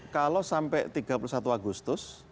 kalau sampai tiga puluh satu agustus